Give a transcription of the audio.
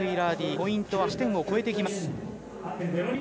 ポイントは８点を超えてきます。